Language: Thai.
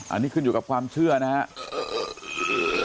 อันนี้ขึ้นอยู่กับความเชื่อนะครับ